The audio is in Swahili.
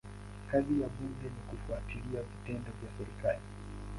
Kazi ya bunge ni kufuatilia vitendo vya serikali.